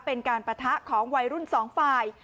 เป็นการปะทะของวัยรุ่นสองฝ่าย